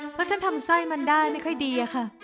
เพราะฉันทำไส้มันได้ไม่ค่อยดีอะค่ะ